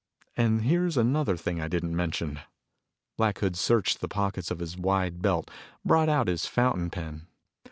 And here's another thing I didn't mention." Black Hood searched the pockets of his wide belt, brought out his fountain pen.